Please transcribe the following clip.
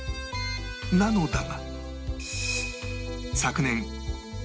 なのだが